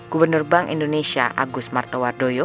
gubernur bank indonesia agus martowardoyo